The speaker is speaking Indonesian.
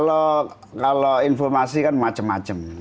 bersama sekali g copying